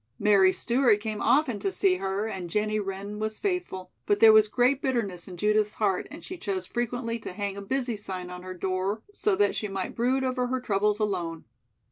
Mary Stewart came often to see her and Jenny Wren was faithful, but there was great bitterness in Judith's heart and she chose frequently to hang a "Busy" sign on her door so that she might brood over her troubles alone.